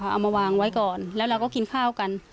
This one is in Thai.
เอามาวางไว้ก่อนแล้วเราก็กินข้าวกัน